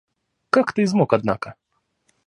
Как ты измок однако!